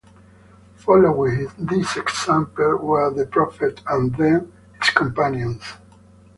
Following this example, were the Prophet and then His Companions.